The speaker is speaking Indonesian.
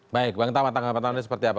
baik bang tama tanggapan anda seperti apa